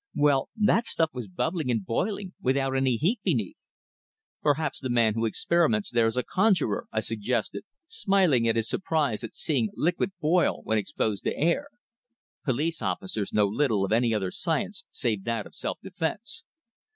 "Well, that stuff was bubbling and boiling without any heat beneath." "Perhaps the man who experiments there is a conjurer," I suggested, smiling at his surprise at seeing liquid boil when exposed to air. Police officers know little of any other science save that of self defence.